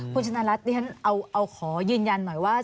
คุณชนรัฐขอยืนยันหน่อยว่า